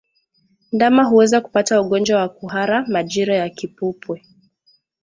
Ndama huweza kupata ugonjwa wa kuhara majira ya kipupwe